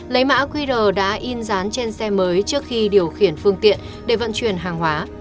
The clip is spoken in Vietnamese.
lấy mã qr đã in dán trên xe mới trước khi điều khiển phương tiện để vận chuyển hàng hóa